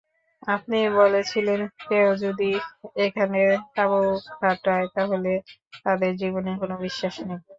আপনি বলেছিলেন কেউ যদি এখানে তাবু খাটাই তাহলে তাদের জীবনের কোন বিশ্বাস নেই।